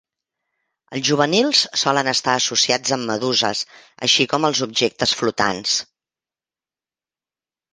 Els juvenils solen estar associats amb meduses, així com als objectes flotants.